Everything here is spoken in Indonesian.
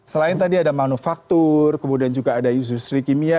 selain tadi ada manufaktur kemudian juga ada industri kimia